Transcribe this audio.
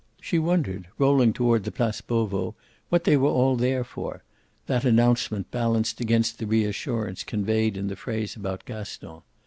She wondered, rolling toward the Place Beauvau, what they were all there for; that announcement balanced against the reassurance conveyed in the phrase about Gaston.